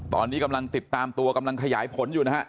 ตอนนี้กำลังติดตามตัวกำลังขยายผลอยู่นะฮะ